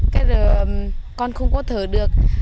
cái rồi con không có thở được